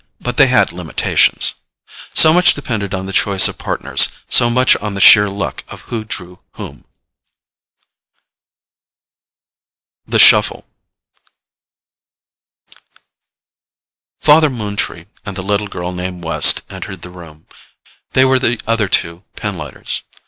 But they had limitations. So much depended on the choice of Partners, so much on the sheer luck of who drew whom. THE SHUFFLE Father Moontree and the little girl named West entered the room. They were the other two pinlighters.